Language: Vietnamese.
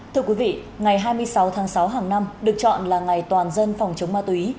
thưa quý vị ngày hai mươi sáu tháng sáu hàng năm được chọn là ngày toàn dân phòng chống ma túy